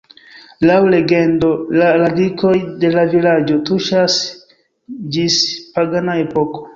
Laŭ legendo la radikoj de la vilaĝo tuŝas ĝis pagana epoko.